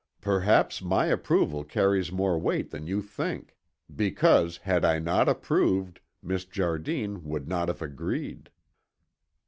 "Perhaps my approval carries more weight than you think; because had I not approved, Miss Jardine would not have agreed."